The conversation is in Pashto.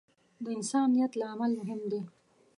د انسان نیت له عمل مهم دی.